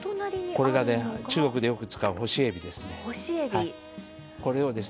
これが、中国でよく使う干しえびです。